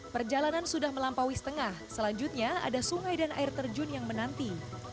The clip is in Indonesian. perjalanan sudah melampaui setengah selanjutnya ada sungai dan air terjun yang menanti